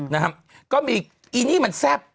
นะฮะก็มีอีนี่มันแซ่บ